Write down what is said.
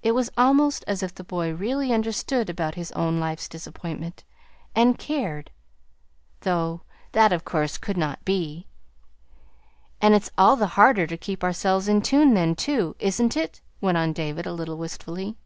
It was almost as if the boy really understood about his own life's disappointment and cared; though that, of course, could not be! "And it's all the harder to keep ourselves in tune then, too, is n't it?" went on David, a little wistfully.